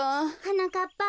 はなかっぱ。